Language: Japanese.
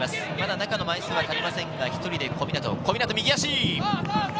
中の枚数は足りませんが１人で小湊、右足。